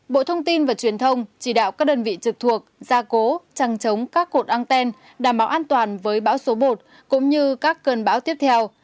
bộ thông tin và truyền thông chỉ đạo các đơn vị trực thuộc gia cố trăng chống các cột anten đảm bảo an toàn với bão số một cũng như các cơn bão tiếp theo